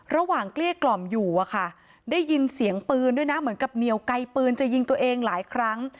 เกลี้ยกล่อมอยู่อะค่ะได้ยินเสียงปืนด้วยนะเหมือนกับเหนียวไกลปืนจะยิงตัวเองหลายครั้ง